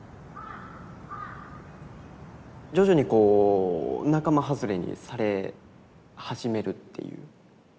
徐々にこう仲間外れにされ始めるっていう。